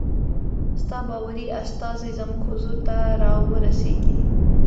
ستا باوري استازی زموږ حضور ته را ورسیږي.